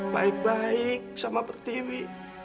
baik baik sama pertiwi